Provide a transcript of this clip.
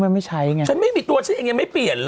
คุณแม่ไม่ใช้ไงฉันไม่มีตัวฉันเองยังไม่เปลี่ยน